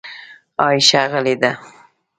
عایشه غلې ده .